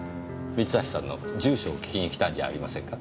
三橋さんの住所を聞きにきたんじゃありませんか？